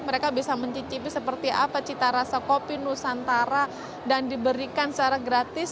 mereka bisa mencicipi seperti apa cita rasa kopi nusantara dan diberikan secara gratis